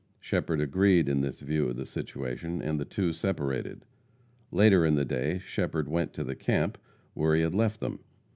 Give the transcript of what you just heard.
Shepherd agreed in this view of the situation, and the two separated. Later in the day Shepherd went to the camp, where he had left them.